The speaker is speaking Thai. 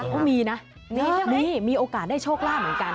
เขามีนะมีมีโอกาสได้โชคลาภเหมือนกัน